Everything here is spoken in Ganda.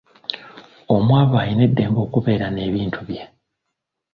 Omwavu alina eddembe okubeera n’ebintu bye.